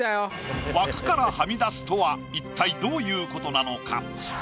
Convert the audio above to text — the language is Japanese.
枠からはみ出すとは一体どういうことなのか？